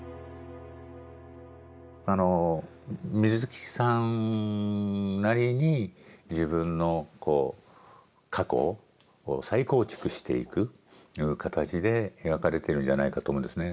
あの水木さんなりに自分のこう過去を再構築していくという形で描かれてるんじゃないかと思うんですね。